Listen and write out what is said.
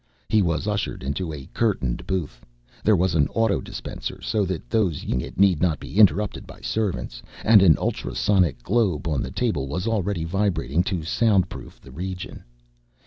He was ushered into a curtained booth. There was an auto dispenser so that those using it need not be interrupted by servants, and an ultrasonic globe on the table was already vibrating to soundproof the region.